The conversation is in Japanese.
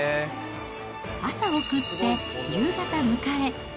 朝送って、夕方迎え。